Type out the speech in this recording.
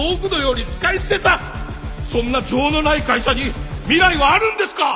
そんな情のない会社に未来はあるんですか！？